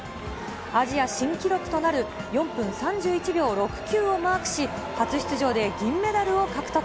アジア新記録となる４分３１秒６９をマークし、初出場で銀メダルを獲得。